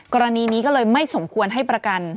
กรณีนี้ก็เลยไม่สมควรให้ประกัน